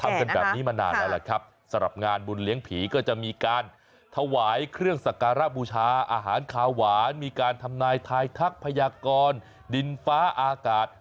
ทำกันแบบนี้มานานแล้วแหละครับสำหรับงานบุญเลี้ยงผีก็จะมีการถวายเครื่องสักการะบูชาอาหารคาหวานมีการทำนายทายทักพยากรดินฟ้าอากาศ